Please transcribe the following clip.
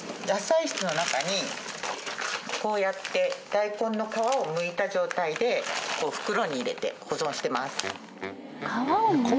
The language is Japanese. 野菜室の中にこうやって大根の皮をむいた状態で袋に入れて保存してます。